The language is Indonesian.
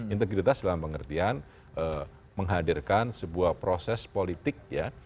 integritas dalam pengertian menghadirkan sebuah proses politik ya